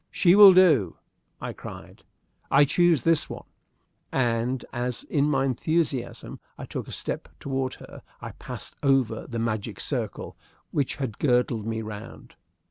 "She will do!" I cried; "I choose this one;" and as, in my enthusiasm, I took a step toward her, I passed over the magic circle which had girdled me round.